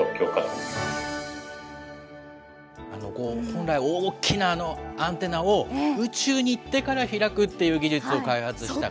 本来、大きなアンテナを、宇宙に行ってから開くっていう技術を開発した。